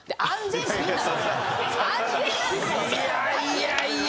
いやいやいや。